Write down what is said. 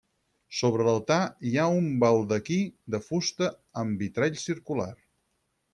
Sobre l'altar hi ha un baldaquí de fusta amb vitrall circular.